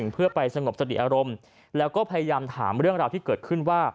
เพื่อไปสงบสติอารมณ์แล้วก็พยายามถามเรื่องราวที่เกิดขึ้นว่า